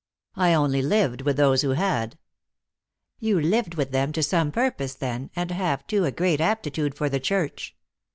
" I only lived with those who had." "You lived with them to some purpose, then, and have, too, a great aptitude for the church."